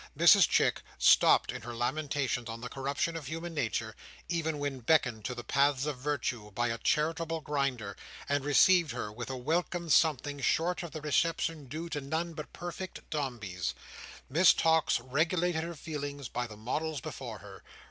Mrs Chick stopped in her lamentations on the corruption of human nature, even when beckoned to the paths of virtue by a Charitable Grinder; and received her with a welcome something short of the reception due to none but perfect Dombeys. Miss Tox regulated her feelings by the models before her.